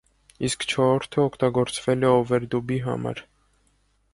Իսկ չորրորդը օգտագործվել է օվերդուբի համար։